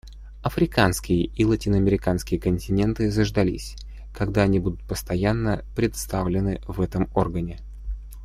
Африканский и латиноамериканский континенты заждались, когда они будут постоянно представлены в этом органе.